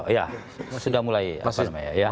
ya sudah mulai apa namanya ya